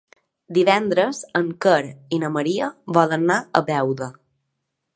Divendres en Quer i na Maria volen anar a Beuda.